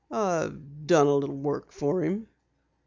"I've done a little work for him."